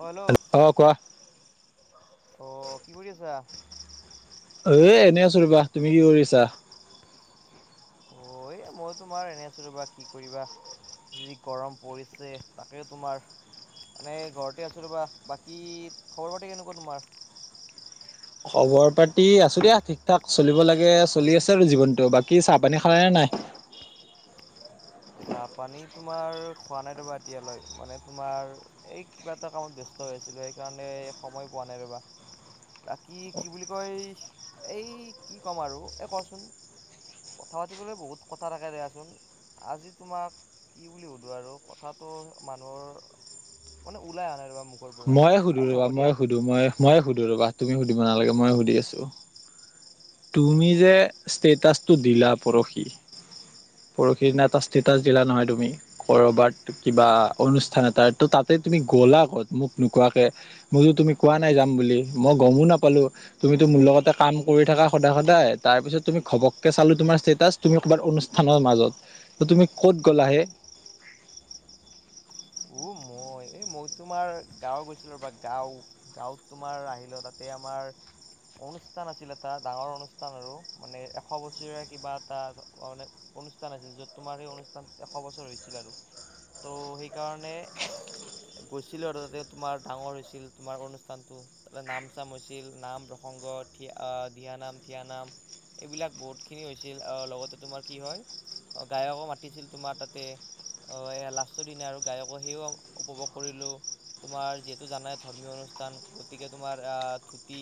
অ hello অ কোৱা অঁ কি কৰি আছা এ এনেই আছো ৰবা তুমি কি কৰিছা অ এ মই তোমাৰ এনে আছো ৰবা কি কৰিবা যি গৰম পৰিছে তাকে তোমাৰ এনেই ঘৰতে আছো ৰবা বাকী খবৰ পাতি কেনেকুৱা তোমাৰ খবৰ পাতি আছো দিয়া ঠিক থঠাক চলিব লাগে চলি আছে আৰু জীৱনতটো বাকী চাহ পানী খালাই নে নাই চাহপানী তোমাৰ খোৱা নাই ৰবা এতিয়ালৈ মানে তোমাৰ এই কিবা এটা কামত ব্যস্ত হৈ আছিলো সেইকাৰণে সময় পোৱা নাই ৰ'বা বাকী কি বুলি কয় এই কি ক'ম আৰু এই কচোন কথা পাতিবলৈ বহুত কথা থাকে দিয়াচোন আজি তোমাক কি বুলি সুধোঁ আৰু কথাটো মানুহৰ মান ওলাই আনাৰ বা ময়ে সুধো ৰবা মইে সুধো মই মইে সুধো ৰবা তুমি সুধিব নালাগে ময়ে সুধি আছো তুমি যে ষ্টেটাছটো দিলা পৰহি পৰহি দিনা এটা ষ্টেটাছ দিলা নহয় তুমি কৰবাত কিবা অনুষ্ঠান এটা ত তাতে তুমি গ'লা আগত মোক নোকোৱাকে মইতো তুমি কোৱা নাই যাম বুলি মই গমো নাপালো তুমিতটো মোৰ লগতে কাম কৰি থকা সদায় সদায় তাৰ পিছত তুমি ঘবককে চালো তোমাৰ ষ্টেটাচ তুমি ক'বাৰ অনুষ্ঠানৰ মাজত ত' তুমি ক'ত গ'লাহে উ মই এই মই তোমাৰ গাঁৱ গৈছিলো ৰ বা গাও গাঁৱত তোমাৰ আহিলে তাতে আমাৰ অনুষ্ঠান আছিল এটা ডাঙৰ অনুষ্ঠান আৰু মানে এশ বছৰীয়া কিবা এটা মানে অনুষ্ঠান আছিল য'ত তোমাৰ সেই অনুষ্ঠানত এশ বছৰ হৈছিল আৰু ত' সেইকাৰণে গৈছিলোঁ আৰু তাতে তোমাৰ ডাঙৰ হৈছিল তোমাৰ অনুষ্ঠানটো নাম চাম হৈছিল নাম প্ৰসংগ থিয়া িয়াানাম থিয়ানাম এইবিলাক বহুত খিনি হৈছিল লগতে তোমাৰ কি হয় অ গায়কো মাতিছিল তোমাৰ তাতে অ এ লাষ্টৰ দিনা আৰু গায়ক সিও উপভোগ কৰিলোঁ তোমাৰ যিহেতু জানাই ধৰ্মীয় অনুষ্ঠান গতিকে তোমাৰ ধুতি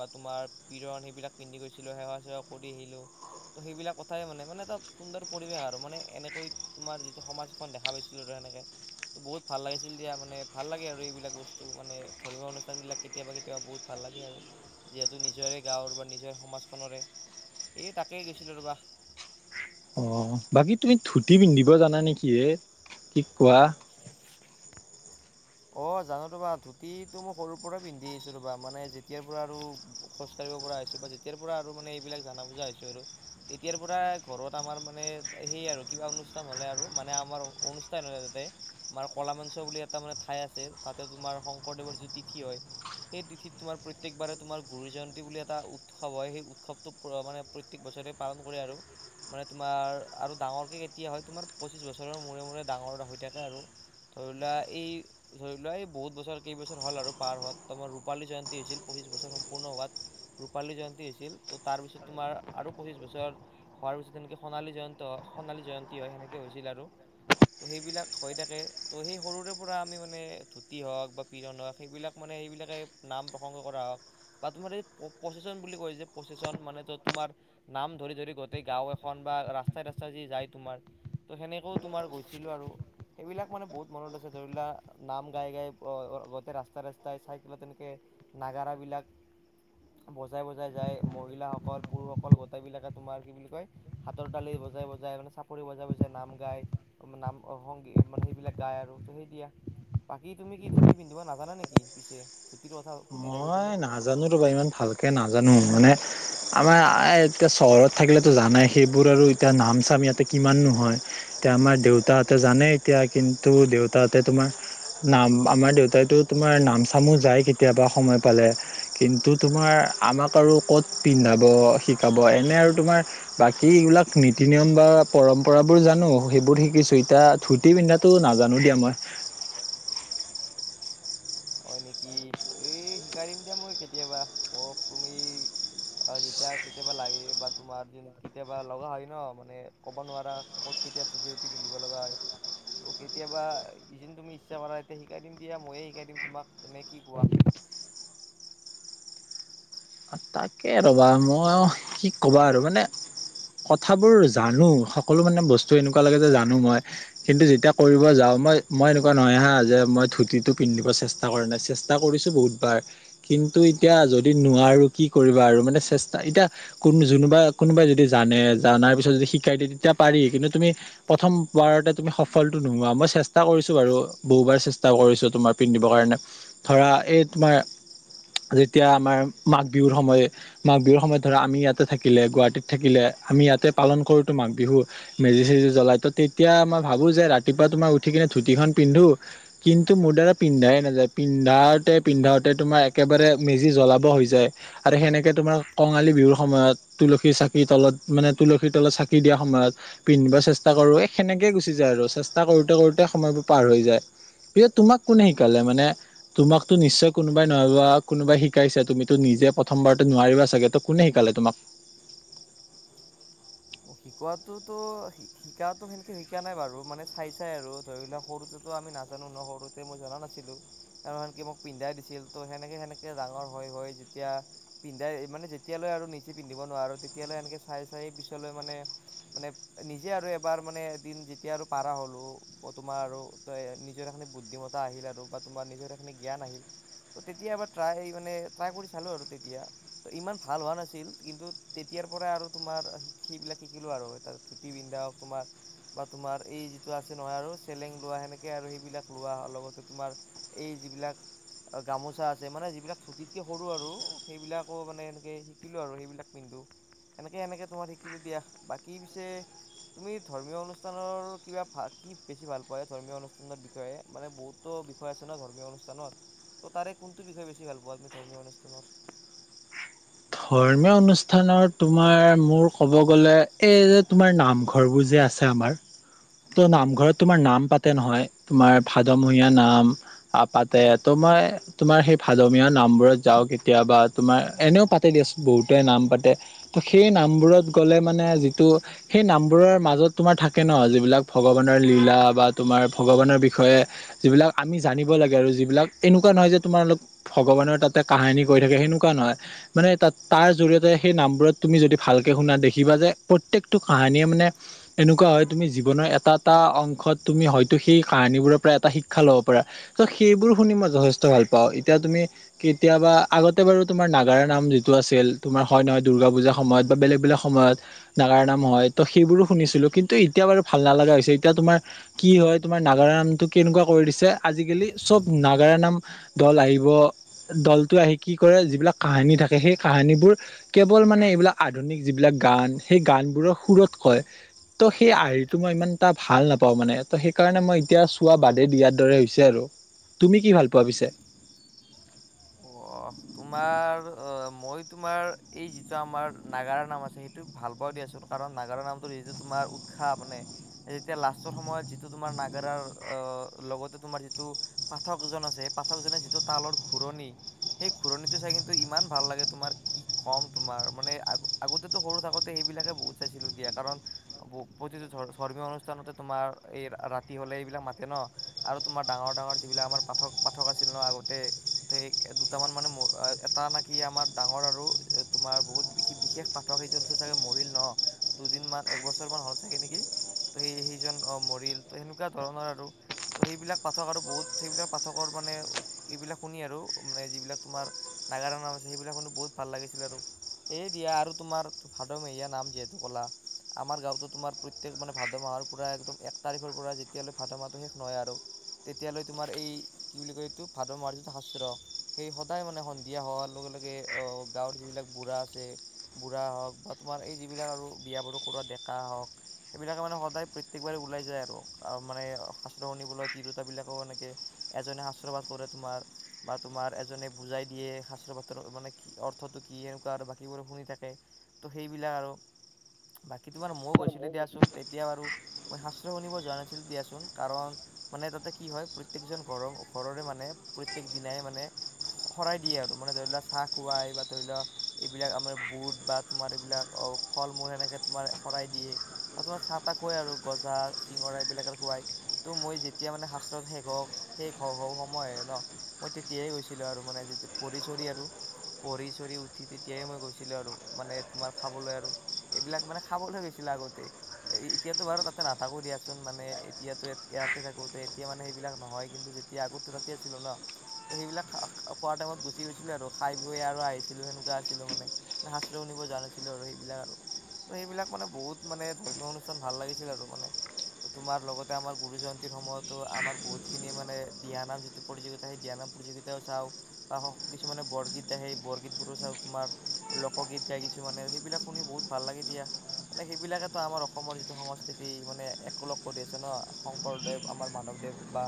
বা তোমাৰ বৰণ সেইবাকিধি গছিলো সেৱা চেৱা কৰি আহিলোঁ তো সেইবিলাক কথাই মানে মানে এটা সুন্দৰ পৰিৱেশ আৰু মানে এনেকৈ তোমাৰ যিটো সমাজ এখন দেখা পাইছিলোঁ আৰু সেনেকে ত' বহুত ভাল লাগিছিল দিয়া মানে ভাল লাগে আৰু এইবিলাক বস্তু মানে ধৰ্মীয় অনুষ্ঠান বিলাক কেতিয়াবা কেতিয়াবা বহুত ভাল লাগে আৰু যিহেতু নিজৰে গাঁৱৰ বা নিজৰে সমাজখৰে এই তাকেই গৈছিলোঁ ৰ'বা অঁ বাকী তুমি ধূতি পিন্ধিব জানা নেকি কি কোৱা অ জানো ৰবা ধুতিটো মই সৰুৰ পৰাই পিন্ধি আহিছো ৰবা মানে যেতিয়াৰ পৰা আৰু খোজ কাঢ়িব পৰা হৈছোঁ বা যেতিয়াৰপৰা আৰু মানে এইবিলাক জানা বুজা হৈছোঁ আৰু। তেতিয়াৰপৰা ঘৰত আমাৰ মানে সেই আৰু কিবা অনুষ্ঠান হ'লে আৰু মানে আমাৰ অনুষ্ঠান হ'লে তাতে আমাৰ ক'লা মাঞ্চ বুলি এটা মানে ঠাই আছে তাতে তোমাৰ শংকৰদেৱৰ যিটো তিথি হয় সেই তিথিত তোমাৰ প্ৰত্যেকবাৰে তোমাৰ গুৰু জয়ন্তী বুলি এটা উৎসৱ হয় সেই উৎসৱটো মানে প্ৰত্যেক বছৰে পালন কৰে আৰু। মানে তোমাৰ আৰু ডাঙৰকৈ কেতিয়া হয়, তোমাৰ পঁচিছ বছৰৰ মূৰে মূৰে ডাঙৰ এটা হৈ থাকে আৰু ধৰি লোৱা এই ধৰি লোৱা এই বহুত বছৰ কেইবছৰ হ'ল আৰু পাৰ হোৱাত ত' আমাৰ ৰূপালী জয়ন্তী হৈছিল পঁচিছ বছৰ সম্পূৰ্ণ হোৱাত ৰূপালী জয়ন্তী হৈছিল ত' তাৰপিছত তোমাৰ আৰু পঁচিছ বছৰ হোৱাৰ পিছত তেনেকে সোণালী জয়ন্ত সোণালী জয়ন্তী হয় সেনেকে হৈছিল আৰু। ত' সেইবিলাক হৈ থাকে ত' সেই সৰুৰেপৰা আমি মানে ধুতি হওক বা পিৰন হওক সেইবিলাক মানে সেইবিলাকে নাম প্ৰসংগ কৰা হওক বা তোমাৰ এই প্ৰচচন বুলি কয় যে প্ৰচচন মানে ত' তোমাৰ নাম ধৰি ধৰি গোটেই গাঁও এখন বা ৰাস্তাই ৰাস্তাই যদি যায় তোমাৰ তো সেনেকৈও তোমাৰ গৈছিলোঁ আৰু সেইবিলাক মানে বহুত মনত আছে, ধৰি লোৱা নাম গাই গাই আ, আগতে ৰাস্তাই ৰাস্তাই চাইকেলত তেনেকে নাগাৰাবিলাক বজাই বজাই যায়, মহিলাসকল, পুৰুষসকল গোটেইবিলাকে তোমাৰ কি বুলি কয় হাতৰ তালি বজাই বজাই মানে চাপৰি বজাই বজাই নাম গায় নাম অ' সংগীত মানে সেইবিলাক গায় আৰু। তুমি দিয়া বাকী তুমি কি ধুতি পিন্ধিব নাজানা নেকি? পিছে ধুতিৰ কথা সুধিলে যে তুমি। নাজানোতো বা ইমান ভালকে নাজানো মানে আমাৰ এতিয়া চহৰত থাকিলেতো জানাই সেইবোৰ আৰু এতিয়া নাম চাম ইয়াতে কিমাননো হয়। এতিয়া আমাৰ দেউতাহঁতে জানে এতিয়া কিন্তু দেউতাহঁতে তোমাৰ নাম আমাৰ দেউতাইতো তোমাৰ নাম চামো যায় কেতিয়াবা সময় পালে। কিন্তু তোমাৰ আমাক আৰু ক'ত পিন্ধাব, শিকাব এনে আৰু তোমাৰ বাকী এইবিলাক নীতি নিয়ম বা পৰম্পৰাবোৰ জানো, সেইবোৰ শিকিছোঁ। এতিয়া ধু তি পিন্ধাতো নাজানো দিয়া মই। হয় নেকি? এই শিকাই দিম দিয়া মই কেতিয়াবা। ম তুমি আৰু যেতিয়া কেতিয়াবা লাগে বা তোমাৰ যেন কেতিয়াবা লগা হয় ন' মানে ক'ব নোৱাৰা ক'ত কেতিয়া ধুতি তুতি পিন্ধিব লগা হয়। ত' কেতিয়াবা ই যেন তুমি ইচ্ছা কৰা তেতিয়া শিকাই দিম দিয়া ময়ে শিকাই দিম তোমাক নে কি কোৱা? তাকে ৰ'বা মই কি ক'বা আৰু মানে কথাবোৰ জানো, সকলো মানে বস্তু এনেকুৱা লাগে যে জানো মই কিন্তু যেতিয়া কৰিব যাওঁ মই, মই এনেকুৱা নহয় হা, যে মই ধুতিটো পিন্ধিব চেষ্টা কৰা নাই চেষ্টা কৰিছোঁ বহুত বাৰ কিন্তু এতিয়া যদি নোৱাৰোঁ কি কৰিবা আৰু মানে চেষ্টা এতিয়া কোন জুনোবা কোনোবাই যদি জানে জানাৰ পিছত যদি শিকাই দিয়ে তেতিয়া পাৰি কিন্তু তুমি প্ৰথম বাৰতে তুমি সফলতো নোহোৱা, মই চেষ্টা কৰিছো বাৰু, বহুবাৰ চেষ্টা কৰিছো তোমাৰ পিন্ধিবৰ কাৰণে। ধৰা এই তোমাৰ যেতিয়া আমাৰ মাঘ বিহুৰ সময়ে মাঘ বিহুৰ সময়ত ধৰা আমি ইয়াতে থাকিলে, গুৱাহাটীত থাকিলে আমি ইয়াতে পালন কৰোতো মাঘ বিহু। মেজি চেজি জ্বলাই, ত' তেতিয়া মই ভাবো যে ৰাতিপুৱা তোমাৰ উঠি কিনে ধুতিখন পিন্ধো কিন্তু মোৰ দ্বাৰা পিন্ধাই নাযায়। পিন্ধাওঁতে পিন্ধাওঁতে তোমাৰ একেবাৰে মেজি জ্বলাব হৈ যায়। আৰু সেনেকে তোমাৰ কঙালী বিহুৰ সময়ত তুলসী চাকিৰ তলত মানে তুলসীৰ তলত চাকি দিয়া সময়ত পিন্ধিব চেষ্টা কৰো, এ, সেনেকেই গুচি যায় আৰু, চেষ্টা কৰোতে কৰোতে সময়বোৰ পাৰ হৈ যায়। পিছত তোমাক কোনে শিকালে মানে তোমাকতো নিশ্চয় কোনোবাই নহয় বা কোনোবাই শিকাইছে, তুমিতো নিজে প্ৰথমবাৰতে নোৱাৰিবা চাগে, ত' কোনে শিকালে তোমাক? শিকোৱাতোটো শিকাটো সেনেকে শিকা নাই বাৰু মানে চাই চাই আৰু ধৰি লোৱা সৰুতেতো আমি নাজানো ন' সৰুতে মই জনা নাছিলোঁ। তেওঁ সেনকে মোক পিন্ধাই দিছিল ত' সেনেকে সেনেকে ডাঙৰ হৈ যেতিয়া পিন্ধাই মানে যেতিয়ালৈ আৰু নিজে পিন্ধিব নোৱাৰোঁ তেতিয়ালৈ সেনেকে চাই চাই পিছলৈ মানে মানে নিজে আৰু এবাৰ মানে এদিন যেতিয়া আৰু পাৰা হ'লোঁ তোমাৰ আৰু ত' নিজৰ এখিনি বুদ্ধিমতা আহিল আৰু বা তোমাৰ নিজৰ এখিনি জ্ঞান আহিল ত' তেতিয়া এবাৰ ট্ৰাই মানে ট্ৰাই কৰি চালোঁ আৰু তেতিয়া। ত' ইমান ভাল হোৱা নাছিল কিন্তু তেতিয়াৰ পৰাই আৰু তোমাৰ সেইবিলাক শিকিলো আৰু তাত ধুতি পিন্ধাও তোমাৰ বা তোমাৰ এই যিটো আছে নহয় আৰু চেলেং লোৱা সেনেকে আৰু সেইবিলাক লোৱা লগতে তোমাৰ এই যিবিলাক গামোচা আছে মানে যিবিলাক ধুতিতকে সৰু আৰু সেইবিলাকো মানে এনেকে শিকিলোঁ আৰু সেইবিলাক পিন্ধো। এনেকে সেনেকে তোমাৰ শিকিলোঁ দিয়া বাকী পিছে তুমি ধৰ্মীয় অনুষ্ঠানৰ কিবা কি বেছি ভাল পোৱা এ ধৰ্মীয় অনুষ্ঠানৰ বিষয়ে মানে বহুতো বিষয় হৈ আছে ন' ধৰ্মীয় অনুষ্ঠানত ত' তাৰে কোনটো বিষয়ে বেছি ভাল পোৱা তুমি ধৰ্মীয় অনুষ্ঠানৰ। ধৰ্মীয় অনুষ্ঠানৰ তোমাৰ মোৰ ক'ব গ'লে এই যে তোমাৰ নামঘৰবোৰ যে আছে আমাৰ ত' নামঘৰত তোমাৰ নাম পাতে নহয় তোমাৰ ভাদমহীয়া নাম আ পাতে ত' মই তোমাৰ সেই ভাদমিয় নামবোৰত যাওঁ কেতিয়াবা তোমাৰ এনেও পাতে দিয়া বহুতে নাম পাতে তো সেই নামবোৰত গ'লে মানে যিটো সেই নামবোৰৰ মাজত তোমাৰ থাকে ন যিবিলাক ভগৱানৰ লীলা বা তোমাৰ ভগৱানৰ বিষয়ে যিবিলাক আমি জানিব লাগে আৰু যিবিলাক এনেকুৱা নহয় যে তোমাৰালোক ভগৱানৰ তাতে কাহিনী কৰি থাকে সেনেকুৱা নহয়। মানে তাত তাৰ জৰিয়তে সেই নামবোৰত তুমি যদি ভালকৈ শুনা দেখিবা যে প্ৰত্যেকটো কাহানীয়ে মানে এনেকুৱা হয় তুমি জীৱনৰ এটা এটা অংশত তুমি হয়তো সেই কাহানীবোৰৰ পৰা এটা শিক্ষা ল'ব পাৰা। ত' সেইবোৰ শুনি মই যথেষ্ট ভাল পাও এতিয়া তুমি কেতিয়াবা আগতে বাৰু তুমাৰ নাগাৰা নাম যিটো আছিল তোমাৰ হয় নহয় দুৰ্গা পূজাৰ সময়ত বা বেলেগ বেলেগ সময়ত নাগাৰ নাম হয় ত' সেইবোৰো শুনিছিলোঁ কিন্তু এতিয়া বাৰু ভাল নলগা হৈছে এতিয়া তোমাৰ কি হয় তোমাৰ নাগাৰা নামটো কেনেকুৱা কৰি দিছে আজিকালি চব নাগাৰা নাম দল আহিব দলটো আহি কি কৰে যিবিলাক কাহানী থাকে সেই কাহানীবোৰ কেৱল মানে এইবিলাক আধুনিক যিবিলাক গান সেই গানবোৰৰ সুৰত কয়। ত' সেই আৰ্হিটো মই ইমান এটা ভাল নাপাওঁ মানে ত' সেইকাৰণে মই এতিয়া চোৱা বাদে দিয়াৰ দৰে হৈছে আৰু। তুমি কি ভাল পোৱা পিছে? অ' তোমাৰ অ' মই তোমাৰ এই যিটো আমাৰ নাগাৰ নাম আছে সেইটো ভাল পাও দিয়াচোন কাৰণ নাগাৰা নামটোৰ যিটো তোমাৰ উৎসাহ মানে তেতিয়া লাষ্টৰ সময়ত যিটো তোমাৰ নাগাৰাৰ লগতে তোমাৰ যিটো পাঠকজন আছে পাঠকজনে যিটো তালৰ ঘূৰণি। সেই ঘূৰণিটো চাইকিনটো ইমান ভাল লাগে তোমাৰ কি ক'ম তোমাৰ মানে আ-আগতেতো সৰু থাকোতে তে সেইবিলাকে বহুত চাইছিলোঁ দিয়া কাৰণ প্ৰতিটো ধৰ্মীয় অনুষ্ঠানতে তোমাৰ এই ৰাতি হলে এইবিলাক মাতে ন'। আৰু তোমাৰ ডাঙৰ ডাঙৰ যিবিলাক আমাৰ পাঠক পাঠক আছিল ন আগতে ত' সেই কটামান মানে এটা নেকি আমাৰ ডাঙৰ আৰু তোমাৰ বহুত সি বিশেষ ঠৰশীজন চাগে মৰিল ন' দুদিনমান এক বছৰমানান হ'ল চাগে নেকি। ত' সেই সেইজন অ' মৰিল ত' সেনেকুৱা ধৰণৰ আৰু। ত' সেইবিলাক পাঠক আৰু বহুত সেইবিলাক পাঠকৰ মানে এইবিলাক শুনি আৰু মানে যিবিলাক তোমাৰ নাগাৰা নাম আছে সেইবিলাক শুনি বহুত ভাল লাগিছিল আৰু। সেয়ে দিয়া আৰু তোমাৰ ভাদমেহীয়াৰ নাম যিহেতু ক'লা। আমাৰ গাঁৱতো তোমাৰ প্ৰত্যেক মানে ভাদ মাহৰ পৰা একদম এক তাৰিখৰ পৰা যেতিয়ালৈ ভাদ মাহটো শেষ নহয় আৰু তেতিয়ালৈ তোমাৰ এই কি বুলি কয় এইটো ভাদ মাৰ যটো শাস্ত্ৰ সেই সদায় মানে সন্ধিয়া হোৱাৰ লগে লগে গাঁৱৰ যিবিলাক বুঢ়া আছে বুঢ়া হওক বা তোমাৰ এই যিবিলাক আৰু বিয়াবোৰ কৰোৱা ডেকা হওক সেইবিলাকে মানে সদায় প্ৰত্যেকবাৰে ওলাই যায় আৰু মানে শাস্ত্ৰ শুনিবলৈ তিৰোতাবিলাকেও এনেকে এজনে আশ্ৰবাদ কৰে তোমাৰ বা তোমাৰ এ জনে বুজাই দিয়ে শাস্ত্ৰ পাত্ৰ মানে কি অৰ্থটো কি এনেকুৱা আৰু বাকীবোৰ শুনি থাকে। ত'সেইবিলাক আৰু বাকীটো বাৰ ময়ো গৈছিলোঁ দিয়াচোন তেতিয়া বাৰু। মই শাস্ত্ৰ শুনিব যোৱা নাছিলোঁ দিয়াচোন কাৰণ। মানে তাতে কি হয় প্ৰত্যেকজন ঘৰৰ ঘৰৰে মানে প্ৰত্যেক দিনাই মানে। শৰাই দিয়ে আৰু মানে ধৰি লোৱা চাহ খুৱাই বা ধৰি লোৱা এইবিলাক আমাৰ বুট বা তোমাৰ এইবিলাক ফল মূল সেনেকে তোমাৰ শৰাই দিয়ে। আৰু তোমাৰ চাহ ত খুৱৱাই আৰু গজা চিঙৰা এইবিলাকে খুৱাই। ত' মই যেতিয়া মানে শাস্ত্ৰত শেষ, শেষ হব সময় ন মই তেতিয়াই গৈছোঁ। ছিলোঁ আৰু মানে পচৰি আৰু। পঢ়ি চৰি উঠি তেতিয়াই মই গৈছিলোঁ আৰু মানে তোমাৰ খাবলৈ আৰু। এইবিলাক মানে খাবলৈ গৈছিলে আগতে। এ এতিয়াতো বাৰু তাতে নাথাকো দিয়াচোন মানে এতিয়াতো ইয়াতে থাকো, এতিয়া মানে সেইবিলাক নহয় কিন্তু তেতিয়া আগতে তাতে আছিলোঁ ন, ত' সেইবিলাক। খ খোৱা টাইমত গুচি গৈছিলোঁ আৰু খাই বৈ আৰু আহিছিলোঁ সেনেুৱা আছিলোঁ মানে। মানে শাস্ত শুনিব যোৱা নাছিলোঁ আৰু সেইবিলাক আৰু। সেইবিলাক মানে বহুত মানে ধৰ্মীয় অনুষ্ঠান ভাল লাগিছিল আৰু মানে। ত তোমাৰ লগতে আমাৰ গুৰু জয়ন্তীৰ সময়তো আমাৰ বহুতখিনি মানে দিয়ানাম যিটো প্ৰতিযোগিতা সেই দিয়ানাম প্ৰতিযোগিতা। চাওঁ বা কিছুমানে বৰগীত আহে বৰগীত বোৰো চাওঁ তোমাৰ। লোকগীত গাই কিছুমানে সেইবিলাক শুনি বহুত ভাল লাগে দিয়া। মানে সেইবিলাকেতো আমাৰ অসমৰ যিটো সংস্কৃতি মানে একলগ কৰি আছে ন, শংকৰদেৱ আমাৰ মাধৱদেৱ। বা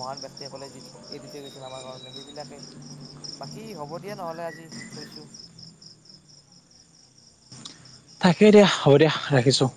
মহান ব্যক্তিসকলে যি এৰি দি থৈ গৈছিল আমাৰ কাৰণে। সেইবিলাকেই বাকী হ'ব দিয়া নহ'লে আজি থৈছোঁ। তাকেই দিয়া হ'ব দিয়া ৰাখিছোঁ।